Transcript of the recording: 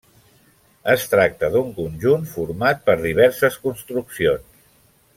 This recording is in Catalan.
Es tracta d'un conjunt format per diverses construccions.